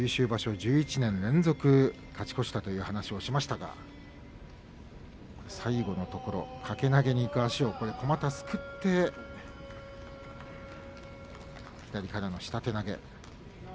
１１年連続勝ち越したという話をしましたが最後のところ掛け投げにいく足をこまたすくって左からの下手投げ。